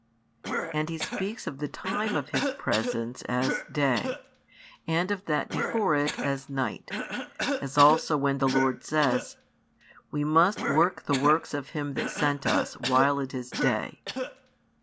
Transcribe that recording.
And He speaks of the time of His presence as "day," and of that before it as "night;" as also when the Lord says: We must work the works of Him that sent us, while it is day.